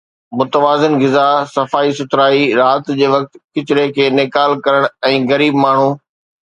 متوازن غذا، صفائي سٿرائي، رات جي وقت ڪچري کي نيڪال ڪرڻ ۽ غريب ماڻهو